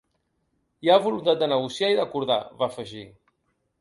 Hi ha voluntat de negociar i d’acordar, va afegir.